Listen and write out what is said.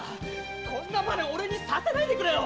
こんな真似俺にさせないでくれよ！